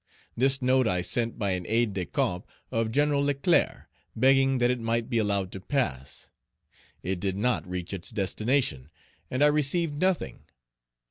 This note I sent by an aide de camp of Gen. Leclerc, begging that it might be allowed to pass; it did not reach its destination, and I received nothing.